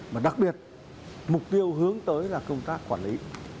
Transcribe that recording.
mà đặc biệt mục tiêu hướng tới là công tác quản lý